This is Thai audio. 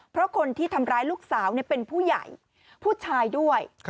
เพราะคนที่ทำร้ายลูกสาวเป็นผู้ใหญ่ผู้ชายด้วย